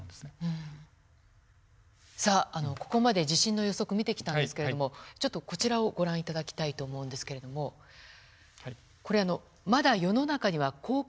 さあここまで地震の予測見てきたんですけれどもちょっとこちらをご覧頂きたいと思うんですけれどもこれまだ世の中には公開されていないものです。